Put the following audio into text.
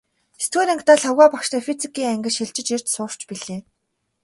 Есдүгээр ангидаа Лхагва багштай физикийн ангид шилжин ирж сурч билээ.